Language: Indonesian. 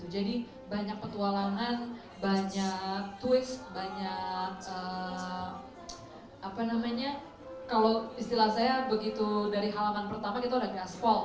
jadi banyak petualangan banyak twist banyak apa namanya kalau istilah saya begitu dari halaman pertama itu ada gaspol